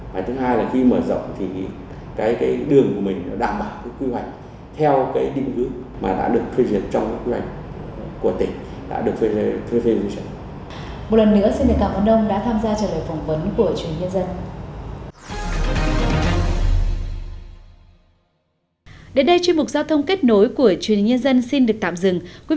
và thứ hai là khi mở rộng thì cái đường của mình nó đảm bảo cái quy hoạch theo cái định ứng mà đã được phê duyệt trong cái quy hoạch của tỉnh đã được phê duyệt